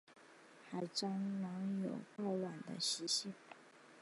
海蟑螂有抱卵的习性。